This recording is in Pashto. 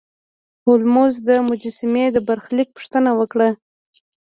هولمز د مجسمې د برخلیک پوښتنه وکړه.